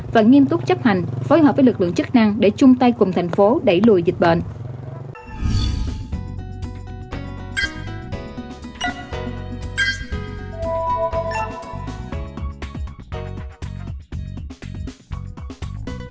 và nghiêm túc chấp hành phối hợp với lực lượng chức năng để chung tay cùng thành phố đẩy lùi dịch bệnh